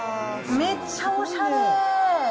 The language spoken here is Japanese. めっちゃおしゃれー。